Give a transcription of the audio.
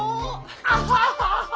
アハハハ！